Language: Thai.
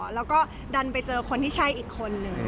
แล้วก็ดันไปเจอคนที่ใช่อีกคนนึง